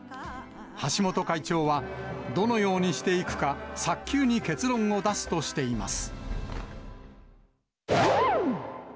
橋本会長は、どのようにしていくか、早急に結論を出すとしています。